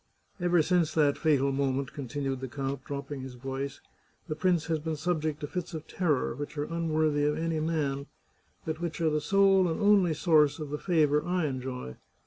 Ever since that fatal moment," continued the count, dropping his voice, " the prince has been subject to fits of terror which are unworthy of any man, but which are the sole and only source of the favour I enjoy.